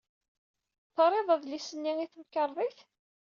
Terrid adlis-nni i temkarḍit?